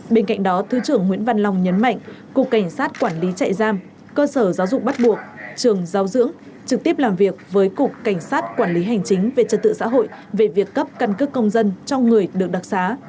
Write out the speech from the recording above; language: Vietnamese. bên cạnh đó thứ trưởng nguyễn văn long nhấn mạnh cục cảnh sát quản lý chạy giam cơ sở giáo dục bắt buộc trường giáo dưỡng trực tiếp làm việc với cục cảnh sát quản lý hành chính về trật tự xã hội về việc cấp căn cước công dân cho người được đặc xá